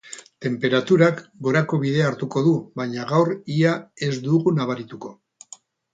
Tenperaturak gorako bidea hartuko du, baina gaur ia ez dugu nabarituko.